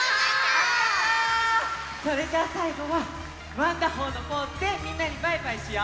それじゃあさいごはワンダホーのポーズでみんなにバイバイしよう！